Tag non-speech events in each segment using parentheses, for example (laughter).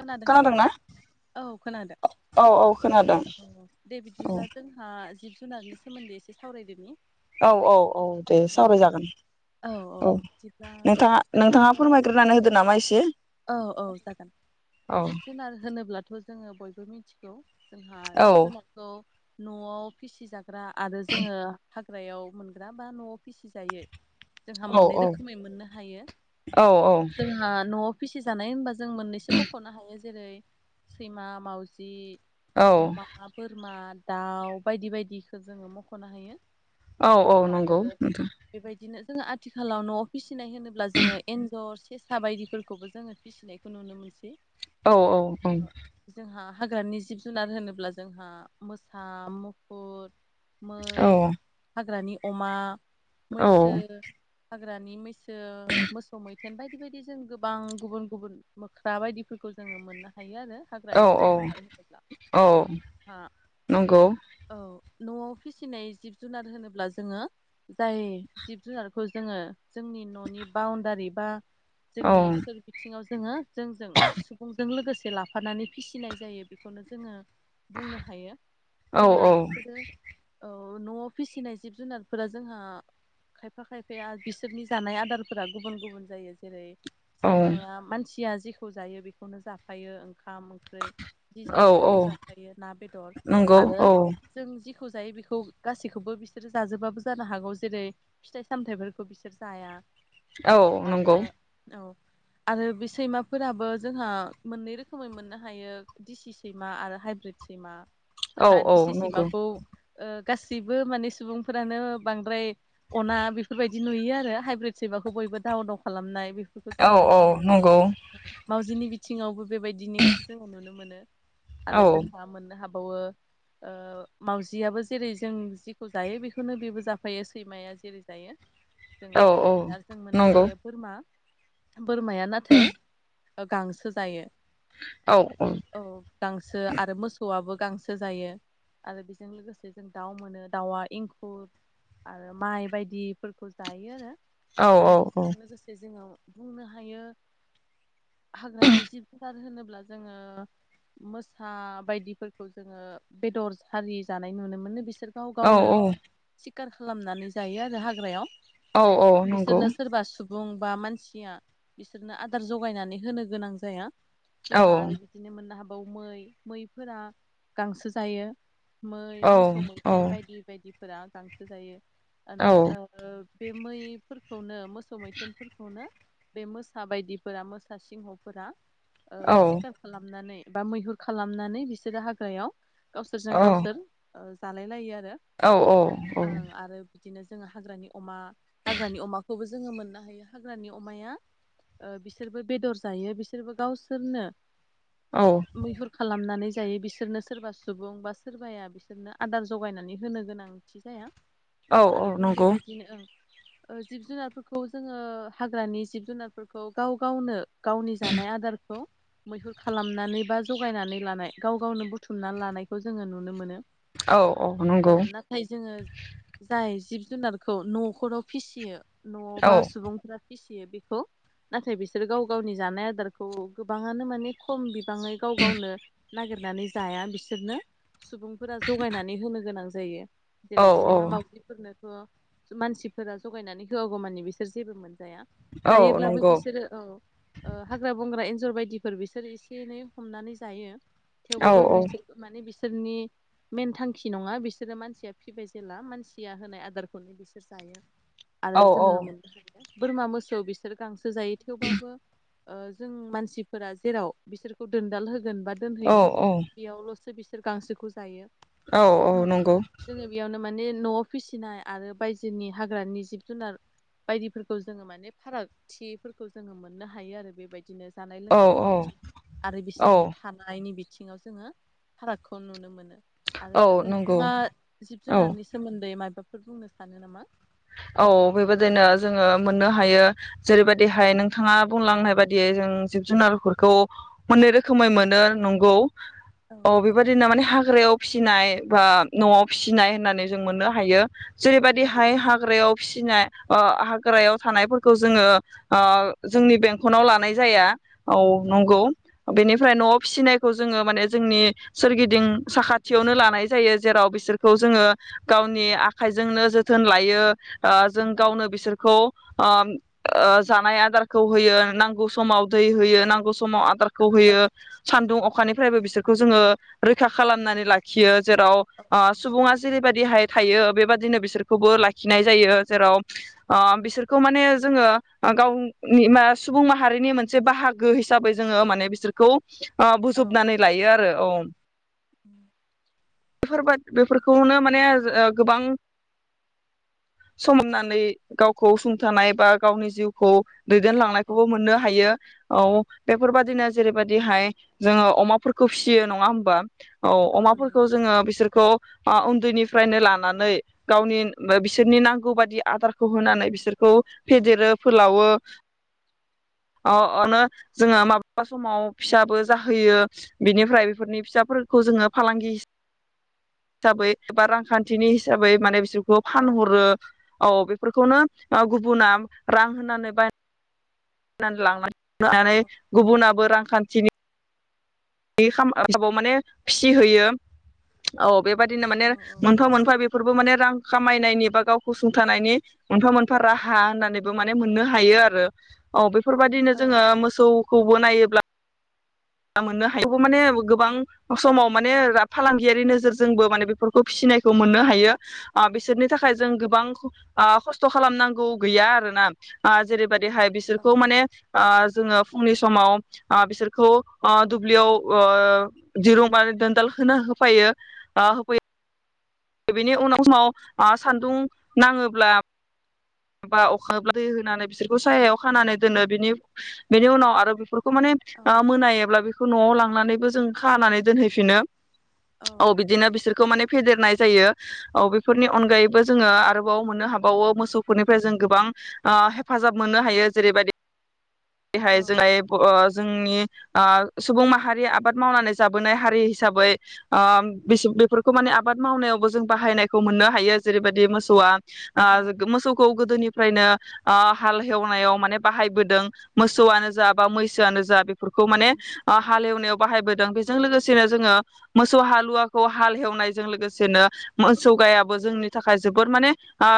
खोनादों ना? खोनादोंना औ खोनादों। औ औ खोनादों अ दे औ बिदिब्ला जोंहा जिब जुनारनि सोमोन्दै एसे सावरायदोनि। औ औ औ दे औ सावरायजागोन। औ नोंथाङा जोंहाथ' नोंथाङा फोरमायग्रोनानै होदो नामा एसे। औ औ जागोन औ जिब जुनार होनो ब्लाथ' जोङो बयबो मिथिगौ। जोंहा औ जिब जुनारखौ न'आव फिसिजा ग्रा आरो जोङो ग्रायाव मोनग्रा बा न'आव फिसिजायै। जोंहा औ मोननै रोखोमै मोननो हायो। औ जोंहा न फिसि जानाय होनबा जों मोननैसो मुं हायो जेरै सैमा मावजि औ अमा बोरमा दाउ बायदि बायदिखौ जोङो मखनो हायो। औ औ नंगौ नोंथां। दिनो जों आथिखालाव नआव फि सिनाय होनोब्ला जोङो एन्जर सेेसा बायदिफोरखौबो जोङो फिसिनायखौ नुनो मोनसै। औ औ जोंहा औ। हाग्रानि जिब जुनार होनोब्ला जोंहा मोसा मुफुर औ मै हाग्रानि अमा। मैसो औ हा ग्रानि मैसो मोसौ मैथेन बायदि बायदि जों गोबां गुबुन गुबुन मोख्रा बायदि फोरखौ जोङो मोननो हा यो आरो औ हाग्रानि जिब जुनार होनब्ला औ हा नंगौ औ। न'आव फिसिनाय जिब जुनार होनोब्ला जोङो जाय जिब जुनारखौ जोङो जोंनि न'नि बाउण्डारि बा औ जोंनि सोर बिथिङाव जोङो जोंजों जे लाफानानै फिसिनाय जायो बेखौनो जोङो बुंनो हायो औ जोंहा बिसोरो ओ औ न'आव फिसिनाय जिब जुनारफोरा जोंहा खायफा खायफाया बिसोरनि जानाय आदारफोरा गुबुन गुबुन जायो जेरै औ सैमाया मानसि या जिखौ जायो बे खौनो जाफायो। ओं खाम ओंख्रि जि औ जायो बेखौ औ जाफायो ना बेदर नंगौ आरो औ जों जि खौ जायो बेखौ गासैखौबो बिसोरो जाजोबाबो जानो हागौ जेरै फिथाइ सामथायाइफोरखौ बिसोर जाया। औ नंगौ। आरो औ आरो बे सैमाफोराबो जोंहा मोननै रोखोमै मोननो हायो दिसि सैमा आरो हाइब्रिद सैमा। औ जोंहा औ दिसि नंगौ सैमाखौ ओ गासैबो माने सुबुंफोरानो बांद्राय अना बेफोरबायदि नुयो आरो हाइब्रिद सैमाखौ बयबो दाव दाव खालामनाय औ औ नंगौ। मावउजिनि बिथिङावबो बेबायदिनो जोङो नुनो मोनो। औ आरो जोंहा मोननो हा बावो ओ मावजियाबो जेरै जों जिखौ जायो बेखौनो बेबो जाफायो सैमाया जेरै जायो औ जोङो बेबायदिनो आरो जों मोननो नंगौ हायो बोरमा, बोरमाया नाथाय गांसो जायो। औ औ गांसो आरो मोसौआबो गांसो जायो आरो बेजों लोगोसे जों दाउ मोनो दाउआ एंखुर आरो माइ बायदिफोरखौ जायो आरो। औ आरो बेजों लोगोसे जोंङो बुंनो हायो हाग्रानि जिब जुनार होनोब्ला जोङो मोसा बायदिफोरखौ जोङो बेदर हारि जानाय नुनो मोनो बिसो र गाव औ गावनो सिखार खालामनानै जायो आरो हाग्रायाव। औ औ नंगौ। बुं बा मानसिया बिसोरनो आदार जगायनानै होनो गोनां जाया। औ जोंहा आरो बिदिनो मोननो हाब औ मै मैफोरा गांसो जायो। मै मोसौ मैथेन बायदि बायदि फोरा गांसो जायो। ओ नाद ओब बे मैफोरखौनो मो सौ मैथेनफोरखौनो बे मोसा बायदिफोरा मो सा सिंहफोरा ओ सिकार खालामनानै बा मैहुर खालामनानै बिसोरो हाग्रायाव गावसोरजों गावसोर ओ जालाय लायो आ औ औ औ। बिदिनो जोङो हाग्रानि अमा हाग्रानि अमाखौबो जोङो मोननो हायो हाग्रानि अमाया ओ बिसोरबो बेदर जायो बिसोरबो गावसोरनो औ मैहुर खालामनानै जायो बिसोरनो सोरबा सुबुं बा सोरबाया बिसोरनो आदार जगायनानै होनो गोनांथि जाया। औ आरो औ जों नंगौ बेबायदिनो ओ जिब जुनारफोरखौ जोङो हाग्रानि जिब जुनारफोरखौ गाव गावनो गावनि जानाय आदारखौ मैहुर खालामनानै बा जगायनानै लानाय गाव गावनो बुथुमनानै लानायखौ जोङो नुनो मोनो। औ औ नंगौ नाथाय जोङो जाय जिब जुनारखौ न'खराव फिसियो। न'आव औ बा सुबुंफोरा फिसि (unintelligible) बेखौ नाथाय बिसोर गाव गावनि जानाय आदारखौ गोबाङानो माने खम बि मोजाङै गाव गावनो नागिरनानै जाया बिसोरनो सुबुंफोरा जगायनानै होनो गोनां जायो। औ जेरै सैमा मावज्रिफोरनो ओ मानसिफोरा जगायनानै होआगौ मानि बिसोर जेबो मोन जाया औ जायोब्लाबो नंगौ बिसोरो औ ओ हाग्रा-बंग्रा एन्जर बायदिफोर बिसोर एसे एनै हमनानै जायो। औ थेवबाबो बिसोर माने बिसो सोरनि मेन थांखि नङा बिसोरो मानसिया फिबाय जेला मानसिया होनाय आदारखौनो बिसोर जायो। आरो औ जोङो मोन बोरमा मोसौ बिसोर गां सो जायो थेवबाबो ओ जों मानसिफोरा जेराव बिसोरखौ दोनदाल हो गोन बा औ दोनहैगोन बेयावल'सो बिस गांसोखौ जायो। औ-औ माने नंगौ जोङो बेयावनो माने न'आव फिसिनाय आरो बायजोनि हाग्रानि जिब-जुनार बायदिफोरखौ जोङो माने फारागथिफोरखौ जोङो नो हायो आरो बेबायदि। दिनो जानाय औ लोंनायनि बिथिं आरो औ बिसोरनि थानायनि बि बिथिङाव जोङो फारागखौ नुनो मोनो। आरो औ नंगौ नोंथाङा जिब औ जुनारनि सोमोन्दै मायबा फोर बुंनो सानो नामा? औ बेबादिनो जोङो मोननो हायो जेरैबादिहाय नोंथाङा बुंलांनाय बादियै जों जिब जुनारफोरखौ मोननै रोखोमै मोनो नंगौ। औ बेबादिनो माने हाग्रायाव फिसिनाय बा न'आव फिसिनाय होननानै जों मोननो हायो औ जेरैबादिहाय हा ग्रायाव फिसिनाय ओ हाग्रायाव थानायफोरखौ जोङो ओ जोंनि बेंखनाव लानाय जाया औ नंगौ बेनिफ ओमफ्राय न'आव फिसिनायखौ जोङो माने जोंनि सोरगिदिं साखाथियावनो लानाय जायो जेराव बिसोर खौ जोङो गाव आंनि आखाइजोंनो जोथोन लायो ओ जों औ गावनो बिसोरखौ ओम-ओ जानाय आदारखौ होयो नांगौ समाव दै होयो नांगौ सम समाव आदारखौ होयो सान्दुं अखानिफ्रायबो बिसोरखौ जोङो रैखा खालामनानै लाखियो जेराव ओ सुबुङा जेरैबादिहाय थायो बेबादिनो बिसोरखौबो लाखि खिनाय जायो जेराव ओ बिसोरखौ माने जोङो ओ गावनि मा सुबुं माहारिनि मोनसे बाहागो हिसाबै जोङो माने बिसोरखौ अ औ बुजबनानै लायो आरो औ (inaudible) फोरबोद बेफोरखौनो माने गोबां समनानै गावखौ सुंथानाय बा गावनि जिउखौ औ दैदेनलांनायखौबो मोननो हायो औ। बेफोरबादिनो जेरैबायदिहाय जोङो अमाफोरखौ फिसियो नङा होमबा? औ अमाफोरखौ जोङो बिसोरखौ उन्दैनिफ्रायनो लानानै गावनि बिसोरनि नांगौ बादि आदारखौ होनानै बिसोरखौ फेदेरो फोलावो अ अनो जोङो माबा अबेबा समाव फिसाबो जाहोयो, बिनिफ्राय बेफोरनि फिसाफोरखौ जोङो फालांगि हिसाबै बा रांखान्थिनि हिसाबै माने बिसोर औ फानहरो औ बे फोरखौनो गुबुना रां होनानै बाय (unintelligible) औ नानै गुबुनाबो रांखान्थिनि (unintelligible) माने फिसिहोयो औ बेबायाददिनो माने औ नंगौ औ औ मोनफा मोनफा बेफोरबो माने रां खामायनायनि बा गावखौ सुंथानायनि मोनफा मोनफा राहा होननानैबो माने मोननो हायो आरो औ बे बेफोरबायदिनो औ जोङो मोसौखौबो नायोब्ला मोननो हायो। माने गोबां समाव माने फालांगियारि नोजोरजोंबो माने बेफोरखौ फिसिनायखौ मोननो हायो ओ बिसोरनि थाखाय जों गोबां ओ खस्थ' खालामनांगौ गैया आरोना ओ जेरैबाय बेहाय बिसोरखौ माने ओ जोङो फुंनि समाव ओ बिसोरखौ ओ दुब्लियाव ओ दिरुं बा दोनदाल होनो होफैयो ओ होफैयो बेनि उनाव समाव ओ सान्दुं नाङोब्ला बा अखाब्ला दै होनानै बिसोरखौ सायायाव खानानै दोनो बिनि बेनि उनाव आरो बेफोर खौ माने ओ औ मोनायोब्ला बे खौ न'आव लांनानैबो जों खानानै दोनहैफिनो। औ बिदिनो बिसोरखौ माने फेदेरनाय जायो औ बेफोरनि अनगायैबो जोङो आरोबाव मोननो हाबावो मोसौ फोरनिफ्राय जों गोबां ओ हेफाजाब मोननो हायो जेरैबायदि औ बेहाय जोंहाय ओ जोंनि ओ सुबुं माहारिया आबाद मावनानै जाबोनाय हारि हिसाबै ओ बिस बेफोरखौ माने आबाद मावनायावबो जों बाहायनायखौ मोननो हायो जेरैबायदि मोसौआ औ ओ मोसौखौ गोदोनि फ्रायनो ओ हाल हेवनायाव माने बाहायबोदों मोसौआनो जा बा मैसोआनो जा बे फोरखौ औ माने ओ हालेवनायाव बाहायबोदों बेजों लोगोसेनो जोङो मोसौ हालुवाखौ हाल हेवनायजों लोगोसेनो मोसौ गायाबो जोंनि थाखाय जोबोर माने ओ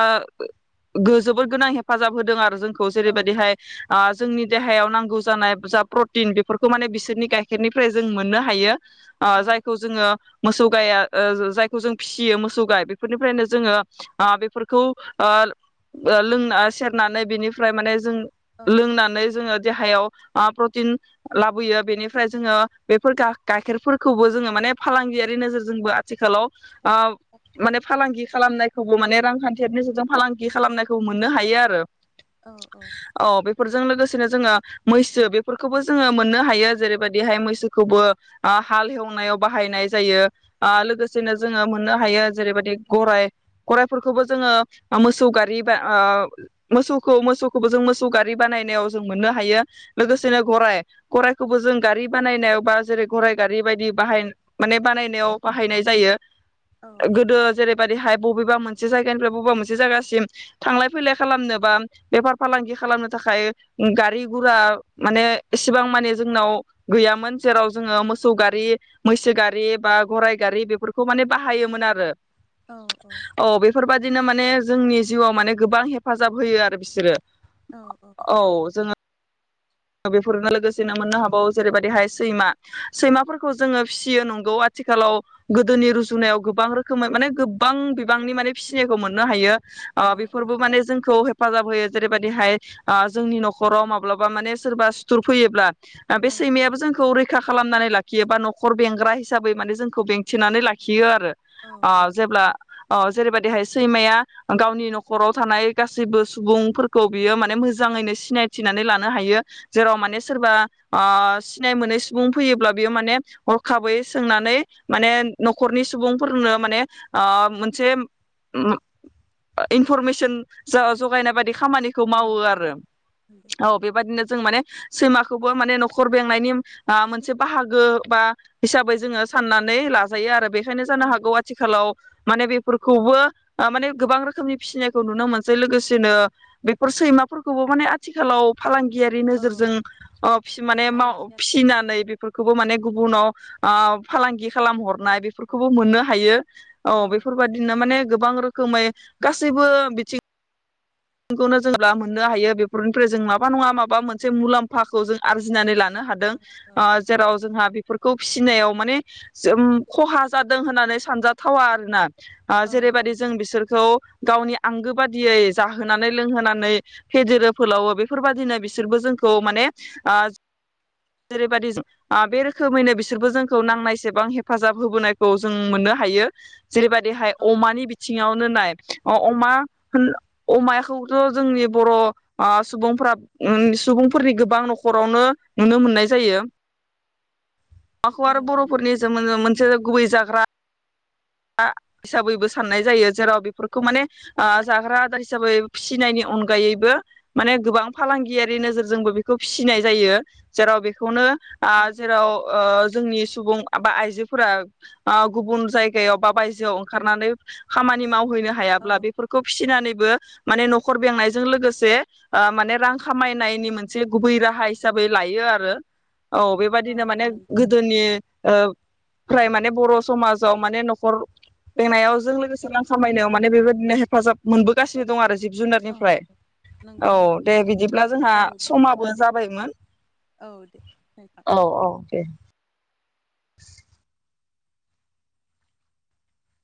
जोबोर गोनां हेफाजाब होदों आरो जों खौ औ जेरैबादिहाय आ जोंनि देहायाव नांगौ जानाय जा प्रटिन बेफोरखौ माने बिसोरनि गाइखेरनिफ्राय जों मोननो हायो। ओ औ जायखौ जोङो मोसौ गाया ओ जायखौ जों फिसियो मोसौ गाय बेफोरनिफ्रायनो जोङो ओ बेफोरखौ ओ लोंना सेरनानै बेनिफ्राय माने जों औ लोंनानै जोङो देहायाव प्रटिन लाबोयो बेनिफ्राय जोङो बेफोर गा-गाइखेरफोरखौबो जोङो माने फालांगियारि नोजोरजोंबो आथिखालाव ओ माने फालांगि खालामनायखौबो माने रांखान्थियारि नोजोरजों फालांगि खालामनायखौ मोननो हायो आरो औ औ औ बेफोरजों लोगोसेनो जोङो मैसो बेफोरखौबो जोङो मोननो हायो जेरैबायदिहाय मैसोखौबो ओ हाल एवनायाव बाहायनाय जायो। ओ औ लोगोसेनो जोङो मोननो हायो। जेरैबायदि गराय गराइफोरखौबो जोङो मोसौ गारि बा ओ मोसौखौ मोसौखौबो जों मोसौ गारि बानायनायाव जों मोननो हायो। लोगोसेनो गराय गराइखौबो जों गारि बानायनायाव बा जेरै गराइ गारि बायदि बाहाय माने बानायनायाव बाहायनाय जायो। औ गोदो जेरैबायदिहाय बबेबा मोनसे जायगानिफ्राय बबेबा मोनसे जायगासिम थांलाय फैलाय खालामनो बा बेफार फालांगि खालामनो थाखाय गारि गुरा माने एसेबां माने जोंनाव गैयामोन जेराव जोङो मोसौ गारि मैसो गारि बा गराइ गारि बेफोरखौ माने बाहायोमोन आरो औ औ बेफोरबादिनो माने जोंनि जिउआव माने गोबां हेफाजाब होयो आरो बिसोरो औ जोङो बेफोरनो लोगोसेनो मोननो हाबाव जेरैबायदिहाय सैमा सैमाफोरखौ जोङो फिसियो नंगौ आथिखालाव गोदोनि रुजुनायाव गोबां रोखोम माने गोबां बिबांनि माने फिसिनायखौ मोननो हायो अ बेफोरबो माने जोंखौ हेफाजाब होयो जेरैबायदिहाय जोंनि न'खराव माब्लाबा माने सोरबा सुथुर फैयोब्ला बे सैमायाबो जोंखौ रैखा खालामनानै लाखि खिबा न'खर बेंग्रा हिसाबै माने जोंखौ बेंथेनानै लाखियो आरो अ औ जेब्ला अ जेरैबायाददिहाय सैमाया गावनि न'खराव थानाय गासैबो सुबुंफोरखौ बियो माने मोजाङैनो सिनायथिनानै लानो हायो जेराव माने सोरबा ओ सिनाय मोनै सुबुं फैयोब्ला बियो माने हरखाबै सोंनानै माने न'खरनि सुबुंफोरनो माने मोनसे इनफरमेसन जगायनाय बायदि खामानिखौ मावो औ औ आरो औ बेबायदिनो माने सैमाखौबो माने न'खर बेंनायनि मोनसे बाहागो बा हिसाबै जोङो साननानै लाजायो आरो बे बेखायनो जानो हागौ आथिलाव माने फोरखौबो माने गोबां रोखोमनि फिसिनायखौ नुनो मोनसै लोगोसेनो बेफोर सैमाफोरखौबो माने आथिखालाव फालांगि यारि नोजोरजों माने नायनोसै आरो फिसिनानै बेफोरखौबो माने गुबुनाव फालांगि खालाम हरनाय बेफोरखौबो मोननो हायो औ बेफोरबादिनो माने गोबां रोखोमै गासैबो बिथिं खौनो जोंब्ला मोननो हायो बेफोरनिफ्राय जों माबा नङा माबा मोनसे मुलाम्फाखौ जों आरजिनानै लानो हादों औ औ जेराव जोंहा बेफोरखौ फिसिनायाव माने जम खहा जादों होननानै सानजाथावा आरोना औ जेरैबायाददि जों बिसोरखौ गावनि आंगो बादियै जाहोनानै लोंहोनानै फेदेरो फोलावो बेफोरबायदिनो बिसोरबो जोंखौ माने जेरैबायदि बे रोखोमैनो बिसोरबो जोंखौ नांनायसेबां हेफाजाब होबोनायखौ जों मोननो हायो जेरैबायदिहाय औ औ अमानि बिथिङावनो नाय अ अमा अमाखौथ' जोंनि बर' सुबुंफोरा ओम‌ सुबुंफोरनि गोबां न'खरावनो नुनो मोननाय जायो अमाखौ आरो ओं ओं बर'फोरनि नंगौ जों औ मोनसे गुबै जाग्रा हिसाबैबो साननाय जायो जेराव बेफोरखौ माने आ औ औ जाख्रा आदा फिसिनायनि अनगायैबो माने गोबां फालांगियारि नोजोरजोंबो बेखौ फिसिनाय जायो जेराव बेखौनो आ जेराव ओ जोंनि सुबुं बा आइजोफोरा गुबुन जायगायाव बा बायजोआव ओंखारनानै खामानि माव हैैनो हायाब्ला बेफोरखौ फिसिनानैबो माने न'खर बेंनायजों लोगोसे माने रां खामायनायनि मोनसे गुबै राहा हिसाबै लायो आरो। औ बेबादिनो औ औ माने नंगौ गोदोनि ओ फ्राय माने बर' समाजाव माने न'खर लेंनायाव जों लोगोसे रां खामायनायाव माने बेबायदिनो हेफाजाब मोनबो गासिनो दं आरो जिब औ जुनारनिफ्राय नंगौ औ नंगौ दे बिदिब्ला जोंहा औ बिदिब्ला समाबो दे जाबायमोन औ दे नोंथां औ औ दे। (inaudible)